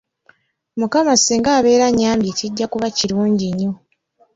Mukama singa abeera annyambye kijja kuba kirungi nnyo.